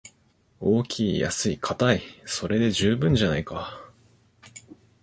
大きい安いかたい、それで十分じゃないか